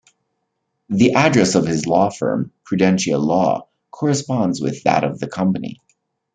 The address of his law firm, Prudentia law, corresponds with that of the company.